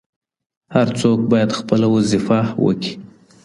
هر څوک باید خپله وظیفه وکي.